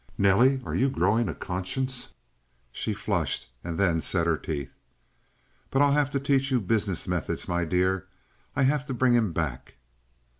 "Nelly, are you growing a conscience?" She flushed and then set her teeth. "But I'll have to teach you business methods, my dear. I have to bring him back."